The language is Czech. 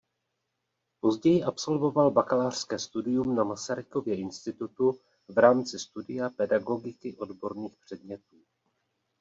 Později absolvoval bakalářské studium na Masarykově institutu v rámci studia pedagogiky odborných předmětů.